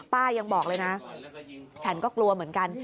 ป้ายังบอกเลยนะฉันก็กลัวเหมือนกัน